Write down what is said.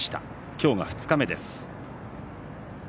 今日が二日目です。